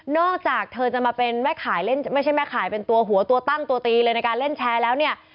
อกจากเธอจะมาเป็นแม่ขายเล่นไม่ใช่แม่ขายเป็นตัวหัวตัวตั้งตัวตีเลยในการเล่นแชร์แล้วเนี่ย